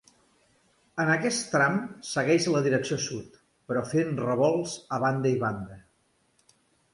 En aquest tram segueix la direcció sud, però fent revolts a banda i banda.